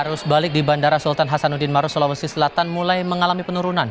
arus balik di bandara sultan hasanuddin maru sulawesi selatan mulai mengalami penurunan